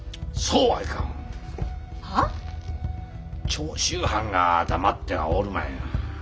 長州藩が黙ってはおるまいが。